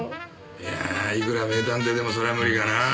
いやあいくら名探偵でもそれは無理かなあ。